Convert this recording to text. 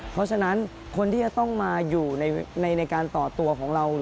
เพราะฉะนั้นคนที่จะต้องมาอยู่ในการต่อตัวของเรา